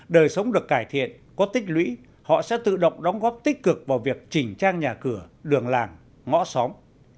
đời sống được cải thiện có tích lũy họ sẽ tự động đóng góp tích cực vào việc chỉnh trang nhà cửa đường làng ngõ xóm